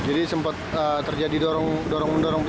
jadi sempat terjadi dorong dorong pintu bang ya